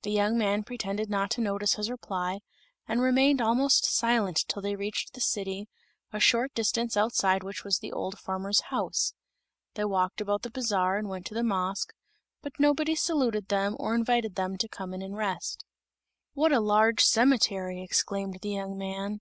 The young man pretended not to notice his reply, and remained almost silent till they reached the city, a short distance outside which was the old farmer's house. They walked about the bazaar and went to the mosque, but nobody saluted them or invited them to come in and rest. "What a large cemetery!" exclaimed the young man.